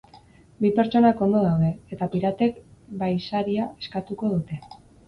Bi pertsonak ondo daude, eta piratek bahisaria eskatuko dute.